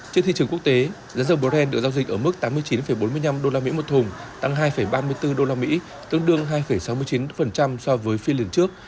trên thị trường quốc tế giá dầu bren được giao dịch ở mức tám mươi chín bốn mươi năm usd một thùng tăng hai ba mươi bốn usd tương đương hai sáu mươi chín so với phiên liền trước